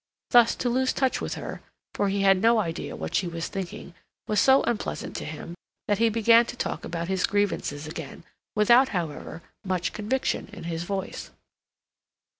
Thus to lose touch with her, for he had no idea what she was thinking, was so unpleasant to him that he began to talk about his grievances again, without, however, much conviction in his voice.